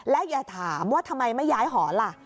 และอย่าถามว่าทำไมไม่ย้ายหอล่ะ